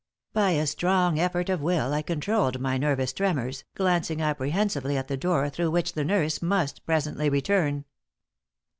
By a strong effort of will I controlled my nervous tremors, glancing apprehensively at the door through which the nurse must presently return.